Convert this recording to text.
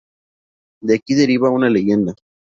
De aquí deriva una leyenda.